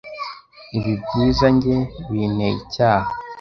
ibi byiza njye binteye icyaha